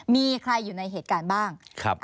มีใครอยู่ในเหตุการณ์บ้าง